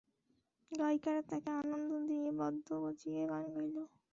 গায়িকারা তাকে আনন্দ দিয়ে বাদ্য বাজিয়ে গান গাইল।